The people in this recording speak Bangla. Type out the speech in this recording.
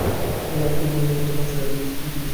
ধর একটি বই-এ লেখা আছে, বৎসরে এত ইঞ্চি বৃষ্টি পড়ে।